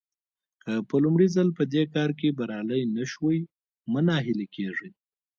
که په لومړي ځل په دې کار کې بريالي نه شوئ مه ناهيلي کېږئ.